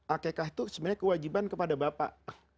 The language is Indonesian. akekah itu sebenarnya kewajiban kepada bapak